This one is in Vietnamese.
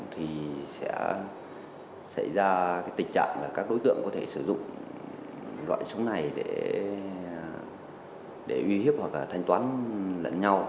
thì sẽ xảy ra tình trạng là các đối tượng có thể sử dụng loại súng này để uy hiếp hoặc là thanh toán lẫn nhau